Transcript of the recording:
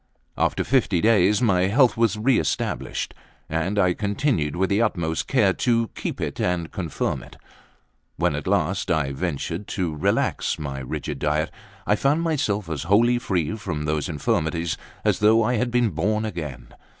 After fifty days my health was re established, and I continued with the utmost care to keep it and confirm it. When at last I ventured to relax my rigid diet, I found myself as wholly free from those infirmities as though I had been born again.